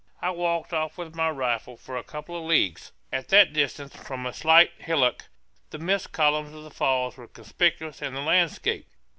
I walked off with my rifle for a couple of leagues; at that distance, from a slight hillock, the mist columns of the falls were conspicuous in the landscape.